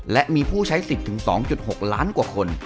และมีผู้ใช้สิทธิ์ถึง๒๖ล้านกว่าคน